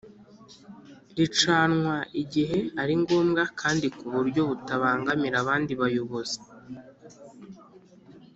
ricanwa igihe arigombwa kandi kuburyo butabangamira abandi bayobozi